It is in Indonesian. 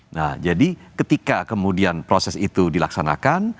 nah jadi ketika kemudian proses itu dilaksanakan